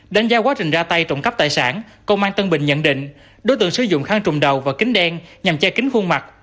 đánh giá quá trình ra tay trộm cắp tài sản công an tân bình nhận định đối tượng sử dụng khăn trùm đầu và kính đen nhằm che kính khuôn mặt